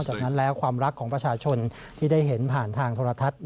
จากนั้นแล้วความรักของประชาชนที่ได้เห็นผ่านทางโทรทัศน์